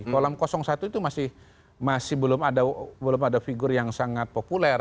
kolam satu itu masih belum ada figur yang sangat populer